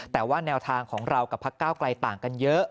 แต่ว่าแนวทางของเรากับพักเก้าไกลต่างกันเยอะ